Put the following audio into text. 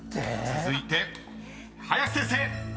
［続いて林先生］